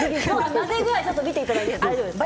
混ぜ具合、見ていただいていいですか？